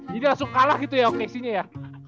jadi langsung kalah gitu ya okc nya ya